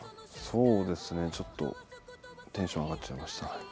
そうですねちょっとテンション上がっちゃいました。